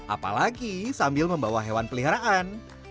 apalagi sambil membawa hewan peliharaan